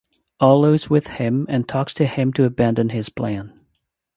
Arlo is with him and talks to him to abandon his plan.